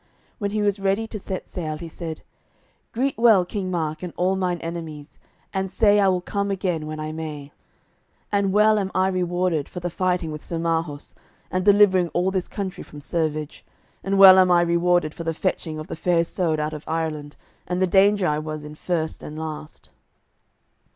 When he was ready to set sail he said: "Greet well King Mark and all mine enemies, and say I will come again when I may. And well am I rewarded for the fighting with Sir Marhaus, and delivering all this country from servage, and well am I rewarded for the fetching of the Fair Isoud out of Ireland, and the danger I was in first and last."